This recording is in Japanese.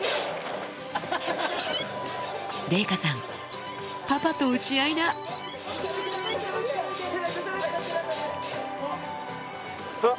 ・麗禾さんパパと撃ち合いだあっ。